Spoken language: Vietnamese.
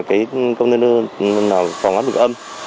cái container phòng áp lực âm